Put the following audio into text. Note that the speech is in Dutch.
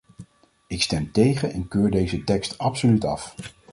Ik stem tegen en keur deze tekst absoluut af.